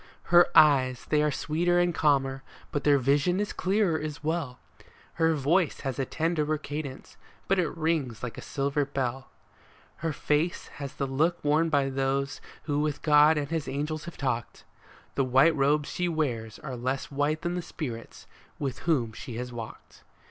Her eyes they are sweeter and calmer, but their vision is clearer as well ; Her voice has a tenderer cadence, but it rings like a silver bell. Her face has the look worn by those who with God and his angels have talked ; The white robes she wears are less white than the spirits with whom she has walked.